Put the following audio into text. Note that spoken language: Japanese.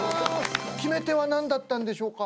決め手は何だったんでしょうか？